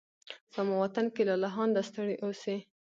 زما وطن کې لالهانده ستړي اوسې